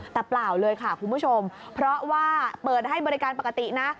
แต่เปล่าเลยค่ะคุณผู้ชมเพราะว่าเปิดให้บริการปกตินะ